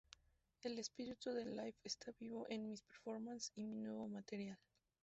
El espíritu de Live está vivo en mis performances y mi nuevo material.